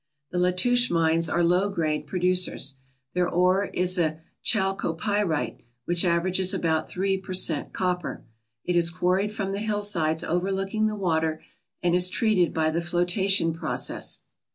The Latouche mines are low grade producers. Their ore is a chalcopyrite which averages about three per cent copper. It is quarried from the hillsides overlooking the water, and is treated by the flotation process.